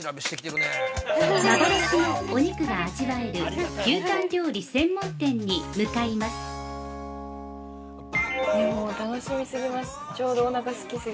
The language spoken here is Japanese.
◆幻のお肉が味わえる、牛タン料理専門店に向かいます。